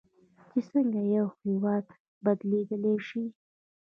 چې څنګه یو هیواد بدلیدلی شي.